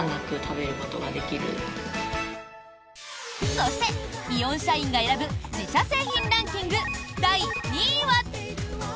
そして、イオン社員が選ぶ自社製品ランキング第２位は。